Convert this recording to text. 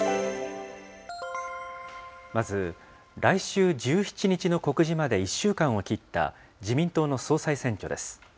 まず、来週１７日の告示まで１週間を切った自民党の総裁選挙です。